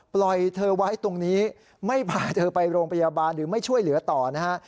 ปล่อยเธอไว้ตรงนี้ไม่พาเธอไปโรงพยาบาลหรือไม่ช่วยเหลือต่อนะฮะ